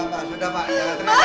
pak sudah pak jangan teriak